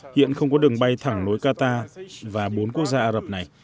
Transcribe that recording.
hiện không có đường bay thẳng nối qatar và bốn quốc gia ả rập này